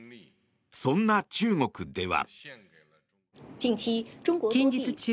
そんな中国では。